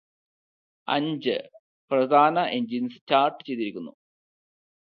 അഞ്ച് പ്രധാന engine start ചെയ്തിരിക്കുന്നു